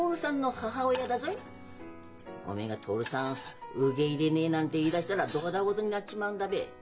おめえが徹さん受け入れねえなんて言いだしたらどだごとになっちまうんだべ？